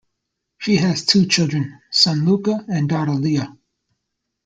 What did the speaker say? She has two children, son Luka and daughter Lea.